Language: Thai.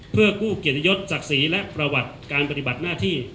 เพื่อกู้เกียรติยศศักดิ์ศรีและประวัติการปฏิบัติหน้าที่